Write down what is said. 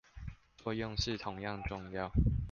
作用是同樣重要